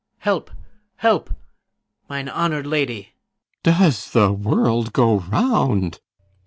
Help, help! Mine honour'd lady! CYMBELINE. Does the world go round?